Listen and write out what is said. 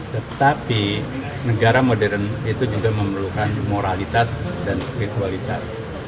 tetapi negara modern itu juga memerlukan moralitas dan spiritualitas